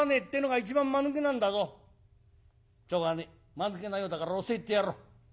まぬけなようだから教えてやろう。